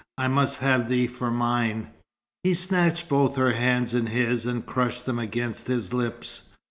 I must have thee for mine!" He snatched both her hands in his, and crushed them against his lips.